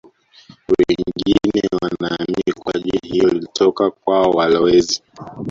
Wengine wanaamini kuwa jina hilo lilitoka kwa walowezi